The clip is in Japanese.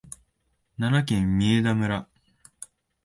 奈良県御杖村